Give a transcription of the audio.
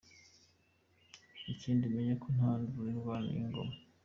Ikindi umenye ko nta nduru irwana n’ingoma!